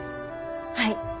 はい。